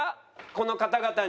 この方々に。